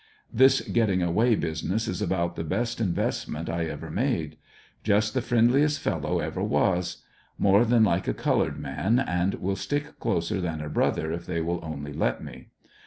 This gettina: away business is about the best invest ment I ever made. Just the friendliest fellow ever was. More than like a colored man, and will stick closer than a brother if they will only let me.